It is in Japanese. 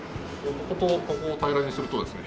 こことここを平らにするとですね